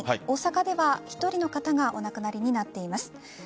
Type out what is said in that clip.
大阪では１人の方がお亡くなりになっています。